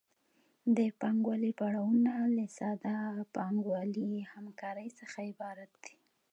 د پانګوالي پړاوونه له ساده پانګوالي همکارۍ څخه عبارت دي